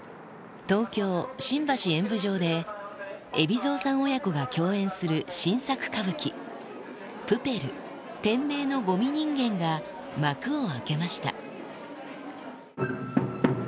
東京・新橋演舞場で、海老蔵さん親子が共演する新作歌舞伎、プペル天明の護美人間が幕を開けました。